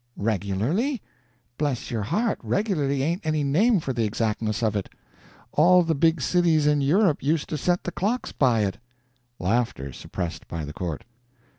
"Regularly? Bless your heart, regularly ain't any name for the exactness of it! All the big cities in Europe used to set the clocks by it." (Laughter, suppressed by the court.)